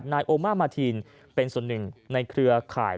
นายโอมามาทีนเป็นส่วนหนึ่งในเครือข่าย